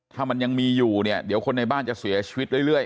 ถ้ามันยังมีอยู่เนี่ยเดี๋ยวคนในบ้านจะเสียชีวิตเรื่อย